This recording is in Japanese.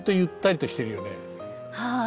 はい。